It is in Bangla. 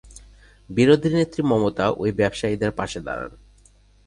বিরোধী নেত্রী মমতা ওই ব্যবসায়ীদের পাশে দাঁড়ান।